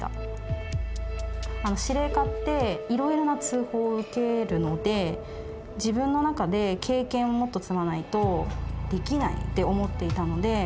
司令課っていろいろな通報を受けるので自分の中で経験をもっと積まないとできないって思っていたので。